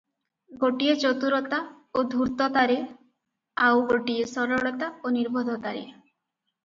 ଗୋଟିଏ ଚତୁରତା ଓ ଧୂର୍ତ୍ତତାରେ, ଆଉ ଗୋଟିଏ ସରଳତା ଓ ନିର୍ବୋଧତାରେ ।